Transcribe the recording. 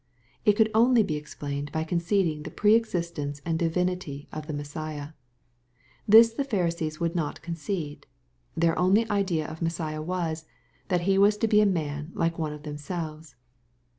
It could only be explained by concedmg the pre existence and divinity of the Messiah. This the Pharisees would not concede. Their only idea of Messiah was, that He was to be a man like one of themselves.